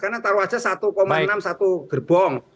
karena taruh aja satu enam satu gerbong